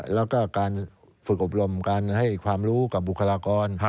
แล้วก็การฝึกอบรมการให้ความรู้กับบุคลากร